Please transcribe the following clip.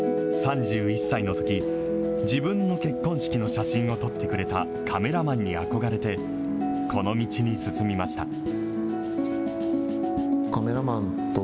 ３１歳のとき、自分の結婚式の写真を撮ってくれたカメラマンに憧れて、この道に進みました。